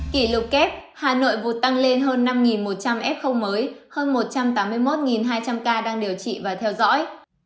kỷ lục kép hà nội vụt tăng lên hơn năm một trăm linh f mới hơn một trăm tám mươi một hai trăm linh ca đang điều trị và theo dõi